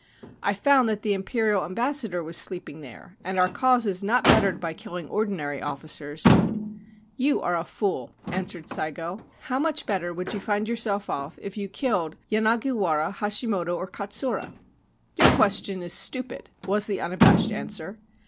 ' I found that the Imperial Ambassador was sleeping there, and our cause is not bettered by killing ordinary officers !'' You are a fool,' answered Saigo. * How much better would you find yourself off if you killed Yanagiwara, Hashimoto, or Katsura ?'' Your question is stupid,' was the unabashed answer.